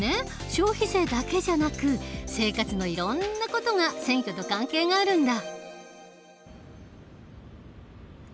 消費税だけじゃなく生活のいろんな事が選挙と関係があるんだ。